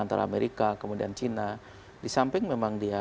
antara amerika kemudian china